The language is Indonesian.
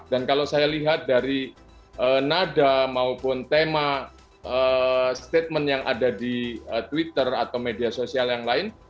dan kalau saya lihat dari nada maupun tema statement yang ada di twitter atau media sosial yang lain